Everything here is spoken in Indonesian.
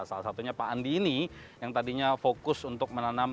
salah satunya pak andi ini yang tadinya fokus untuk menanam